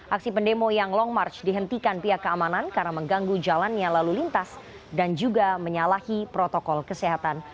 aksi pendemo yang long march dihentikan pihak keamanan karena mengganggu jalannya lalu lintas dan juga menyalahi protokol kesehatan